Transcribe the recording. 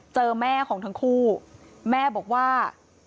เจอแม่ของทั้งคู่แม่บอกว่า